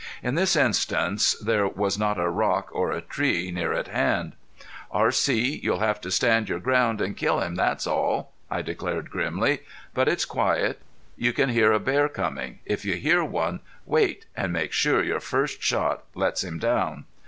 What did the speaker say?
In this instance there was not a rock or a tree near at hand. "R.C. you'll have to stand your ground and kill him, that's all," I declared, grimly. "But it's quiet. You can hear a bear coming. If you do hear one wait and make sure your first shot lets him down."